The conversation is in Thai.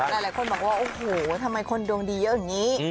หลายคนบอกว่าโอ้โหทำไมคนดวงดีเยอะอย่างนี้